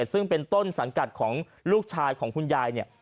ซึ่งเป็นต้นสังกัดของลูกชายของคุณยายเนี่ย